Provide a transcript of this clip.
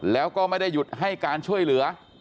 แล้วก็ไม่ได้หยุดให้การช่วยเหลือ